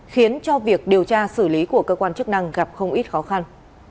khiến cho việc điều tra xử lý của cơ quan chức năng gặp không ít khó khăn